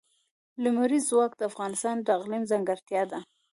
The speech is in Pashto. لمریز ځواک د افغانستان د اقلیم ځانګړتیا ده.